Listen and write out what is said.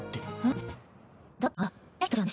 えっ？